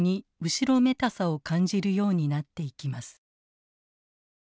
後ろめたさを感じるようになっていきます。